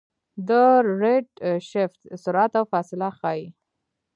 د ریډشفټ سرعت او فاصله ښيي.